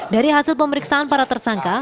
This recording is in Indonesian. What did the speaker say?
dari hasil pemeriksaan para tersangka